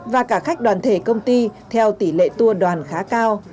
và cả khách đoàn thể công ty theo tỷ lệ tua đoàn khá cao